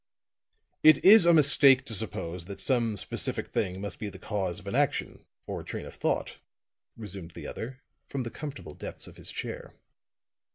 "It is a mistake to suppose that some specific thing must be the cause of an action, or a train of thought," resumed the other, from the comfortable depths of his chair.